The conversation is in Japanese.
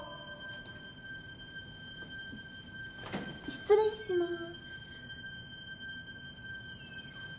・失礼します。